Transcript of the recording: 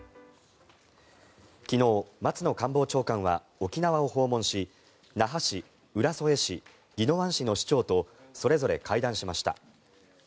昨日、松野官房長官は沖縄を訪問し那覇市、浦添市、宜野湾市の市長とそれぞれ会談しました。